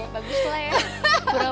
bagus lah ya